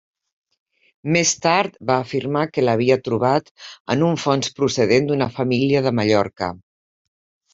Més tard va afirmar que l'havia trobat en un fons procedent d'una família de Mallorca.